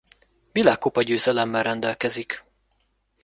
Világkupa-győzelemmel rendelkezik.